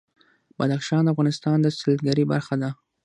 بدخشان د افغانستان د سیلګرۍ برخه ده.